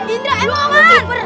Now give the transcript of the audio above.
indra emang kiper